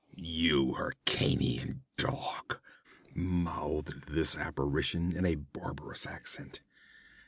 'You Hyrkanian dog!' mouthed this apparition in a barbarous accent.